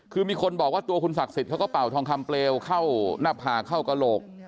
คือมีคนบอกว่าตัวคุณศักดิ์สิทธิ์เขาก็เป่าทองคำเปลวเข้าหน้าผากเข้ากระโหลก